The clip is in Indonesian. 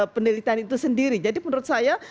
penderitaan itu sendiri jadi menurut saya